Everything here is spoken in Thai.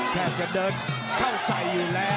แทบจะเดินเข้าใส่อยู่แล้ว